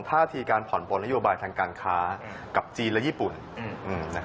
ท่าทีการผ่อนปนนโยบายทางการค้ากับจีนและญี่ปุ่น